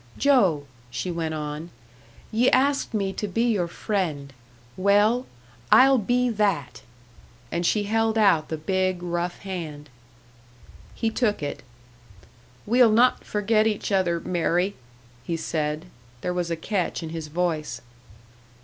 "Joe," she went on, "ye asked me to be your friend. Well, I'll be that!" And she held out the big, rough hand. He took it. "We'll not forget each other, Mary," he said. There was a catch in his voice.